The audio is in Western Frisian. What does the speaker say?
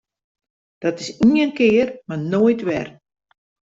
Dat is ien kear mar noait wer!